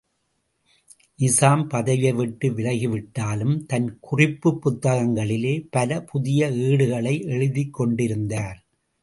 நிசாம், பதவியைவிட்டு விலகிவிட்டாலும் தன் குறிப்புப் புத்தகங்களிலே பலபுதிய ஏடுகளை எழுதிக் கொண்டிருந்தார்.